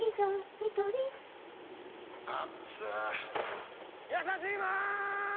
ニトリやさしいマーン！！